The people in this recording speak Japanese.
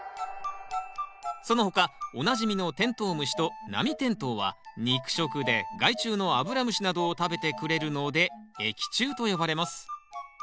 その他おなじみのテントウムシとナミテントウは肉食で害虫のアブラムシなどを食べてくれるので益虫と呼ばれます。